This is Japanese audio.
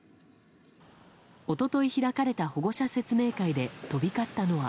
一昨日、開かれた保護者説明会で飛び交ったのは。